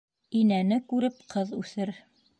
Инәне күреп ҡыҙ үҫер.